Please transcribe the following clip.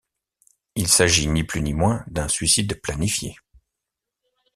Il s'agit ni plus ni moins d'un suicide planifié.